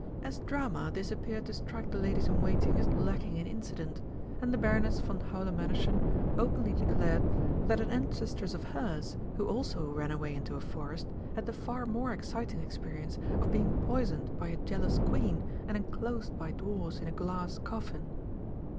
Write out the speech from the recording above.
As drama this appeared to strike the ladies in waiting as lacking in incident, and the Baroness von Haulemännerschen openly declared that an ancestress of hers who also ran away into a forest had the far more exciting experience of being poisoned by a jealous Queen and enclosed by dwarfs in a glass coffin.